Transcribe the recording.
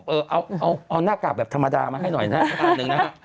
เอาหน้ากากแบบธรรมดามาให้หน่อยนะครับอันหนึ่งนะครับ